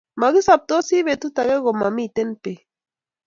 Magisoptosi betut age komamiten beek